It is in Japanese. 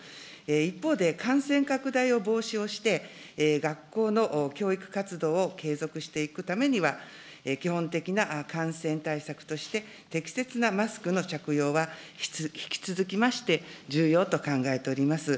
一方で感染拡大を防止をして、学校の教育活動を継続していくためには、基本的な感染対策として、適切なマスクの着用は引き続きまして、重要と考えております。